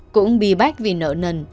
cũng bì bách vì nợ nần